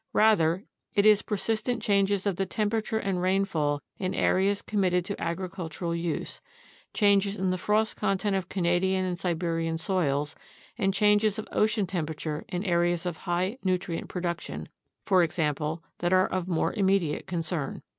Rather, it is persistent changes of the temperature and rainfall in areas com mitted to agricultural use, changes in the frost content of Canadian and Siberian soils, and changes of ocean temperature in areas of high nutri ent production, for example, that are of more immediate concern.